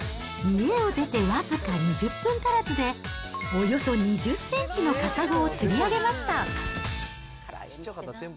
家を出て僅か２０分足らずで、およそ２０センチのカサゴを釣り上げました。